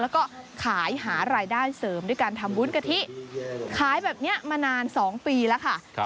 แล้วก็ขายหารายได้เสริมด้วยการทำวุ้นกะทิขายแบบนี้มานาน๒ปีแล้วค่ะ